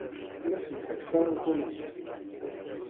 Ur asent-ttakf ara uḍḍun-inu.